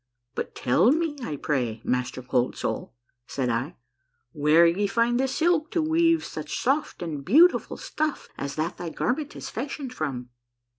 " But tell me, I pray thee. Master Cold Soul," said I, " where ye find the silk to weave such soft and beautiful stuff as that thy garment is fashioned from